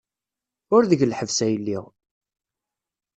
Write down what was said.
Ur deg lḥebs ay lliɣ.